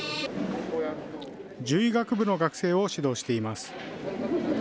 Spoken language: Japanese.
獣医学部の学生を指導しています。